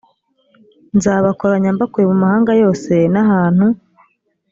nzabakoranya mbakuye mu mahanga yose n ahantu